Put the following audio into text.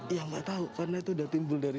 ya nggak tahu karena itu sudah timbul dari